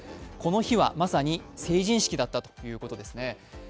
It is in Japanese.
この日はまさに成人式だったということですね。